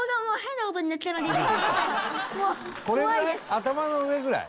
頭の上ぐらい？